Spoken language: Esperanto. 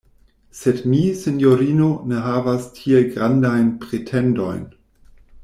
Sed mi, sinjorino, ne havas tiel grandajn pretendojn.